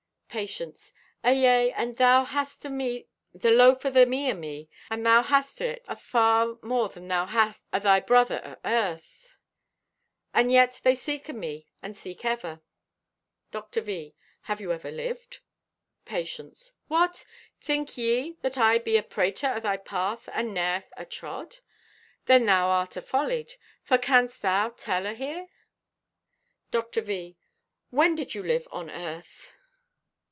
Patience.—"Ayea. And thou hast o' me the loaf o' the me o' me, and thou hast o' it afar more than thou hast o' thy brother o' earth, and yet they seek o' me and seek ever." Dr. V.—"Have you ever lived?" Patience.—"What! Think ye that I be a prater o' thy path and ne'er atrod? Then thou art afollied, for canst thou tell o' here?" Dr. V.—"When did you live on earth?"